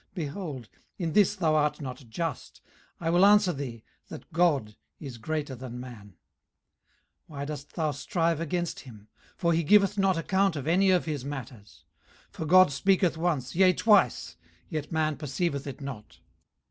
18:033:012 Behold, in this thou art not just: I will answer thee, that God is greater than man. 18:033:013 Why dost thou strive against him? for he giveth not account of any of his matters. 18:033:014 For God speaketh once, yea twice, yet man perceiveth it not.